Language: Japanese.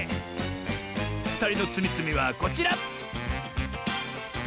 ふたりのつみつみはこちら！